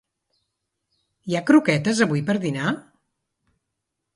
Hi ha croquetes avui per dinar?